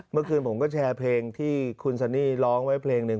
เมื่อคืนผมก็แชร์เพลงที่คุณซันนี่ร้องไว้เพลงหนึ่ง